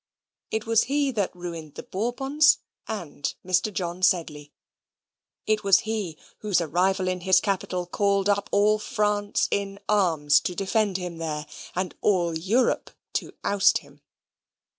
It was he that ruined the Bourbons and Mr. John Sedley. It was he whose arrival in his capital called up all France in arms to defend him there; and all Europe to oust him.